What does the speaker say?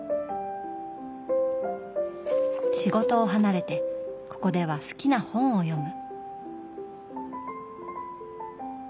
仕事を離れてここでは好きな本を読む。